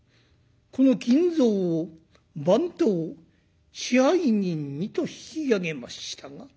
この金蔵を番頭支配人にと引き上げましたが。